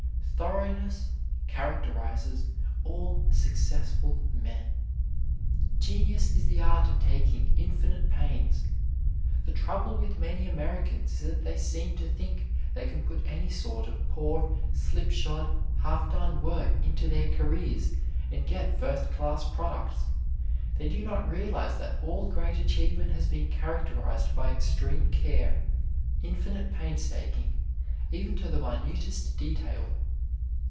Thoroughness characterizes all successful men. Genius is the art of taking infinite pains. The trouble with many Americans is that they seem to think they can put any sort of poor, slipshod, half done work into their careers and get first class products. They do not realize that all great achievement has been characterized by extreme care, infinite painstaking, even to the minutest detail.